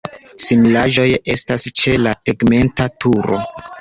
Similaĵoj estas ĉe la tegmenta turo.